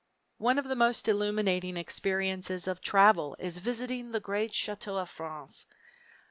One of the most illuminating experiences of travel is visiting the great chateaux of France.